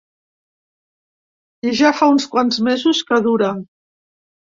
I ja fa uns quants mesos que dura.